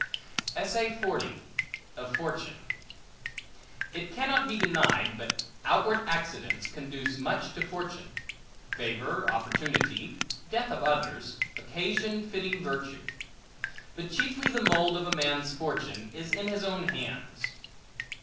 Of Fortune IT CANNOT be denied, but outward accidents conduce much to fortune; favor, opportunity, death of others, occasion fitting virtue. But chiefly, the mould of a man's fortune is in his own hands.